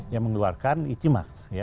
yang mengeluarkan ijma